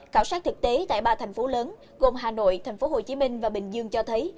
khảo sát thực tế tại ba thành phố lớn gồm hà nội tp hcm và bình dương cho thấy